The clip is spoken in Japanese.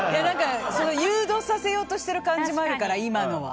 誘導させようとしてる感じがあるから、今のは。